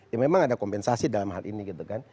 ya memang ada kompensasi dalam hal ini gitu kan